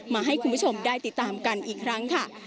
มาให้คุณผู้ชมได้ติดตามกันอีกครั้งค่ะ